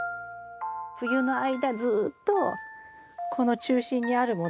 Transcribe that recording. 冬の間ずっとこの中心にあるものは花ですね。